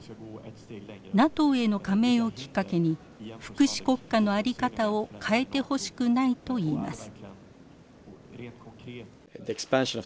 ＮＡＴＯへの加盟をきっかけに福祉国家のあり方を変えてほしくないといいます。